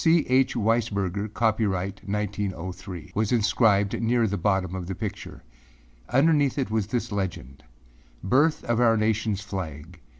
âC. H. Weisberger, Copyright 1903,â was inscribed near the bottom of the picture. Underneath it was this legend; âBirth of our nationâs flag.